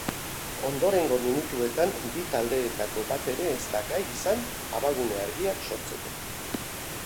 Ondorengo minutuetan bi taldeetako bat ere ez da gai izan abagune argiak sortzeko.